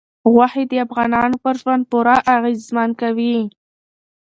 غوښې د افغانانو پر ژوند پوره اغېزمن کوي.